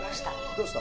どうした？